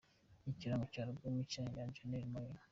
Ikirango cya album nshya ya Janelle Monae.